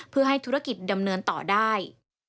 เพื่อให้ธุรกิจดำเนินต่อได้